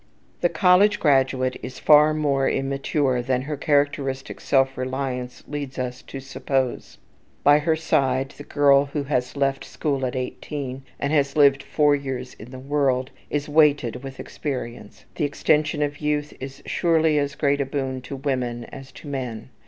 The college graduate is far more immature than her characteristic self reliance leads us to suppose. By her side, the girl who has left school at eighteen, and has lived four years in the world, is weighted with experience. The extension of youth is surely as great a boon to women as to men.